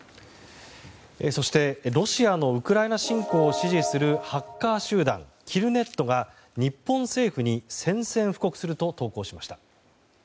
そしてロシアのウクライナ侵攻を支持するハッカー集団キルネットが、日本政府に宣戦布告すると投稿しました。